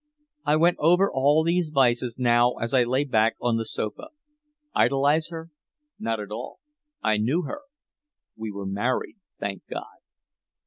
I went over all these vices now as I lay back on the sofa. Idolize her? Not at all. I knew her. We were married, thank God.